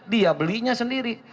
dia belinya sendiri